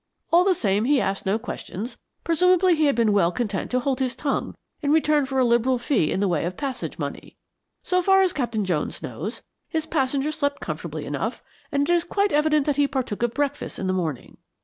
All the same he asked no questions; presumably he had been well content to hold his tongue in return for a liberal fee in the way of passage money. So far as Captain Jones knows, his passenger slept comfortably enough, and it is quite evident that he partook of breakfast in the morning.